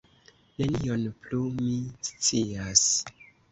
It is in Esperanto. Nenion plu mi scias.